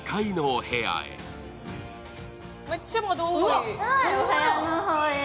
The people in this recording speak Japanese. むっちゃ窓多い。